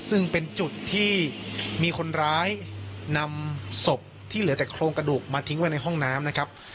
ซึ่งเป็นจุดที่มีคนร้ายนำศพที่เหลือแต่โครงกระดูกมาทิ้งไว้ในห้องน้ำนะครับ